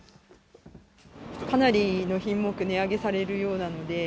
かなりの品目、値上げされるようなので。